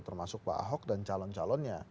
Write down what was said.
termasuk pak ahok dan calon calonnya